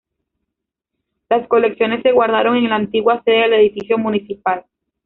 Las colecciones se guardaron en la antigua sede del edificio municipal.